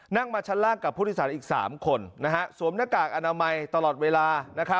นั่งมาชั้นล่างกับผู้โดยสารอีก๓คนสวมหน้ากากอนามัยตลอดเวลา